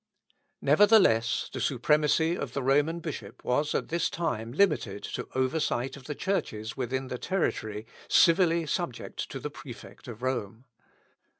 Nevertheless, the supremacy of the Roman bishop was at this time limited to oversight of the churches within the territory civilly subject to the prefect of Rome.